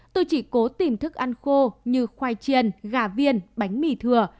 tôi chỉ cố tìm thức ăn khô như khoai chiên gà viên bánh mì thừa